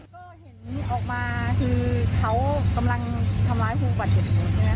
แล้วเราก็เลยบอกว่าเออใจเย็นเย็นใจเย็นเย็น